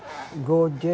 tidak ada menguapkannya